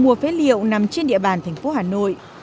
mua phế liệu nằm trên địa bàn thành phố hà nội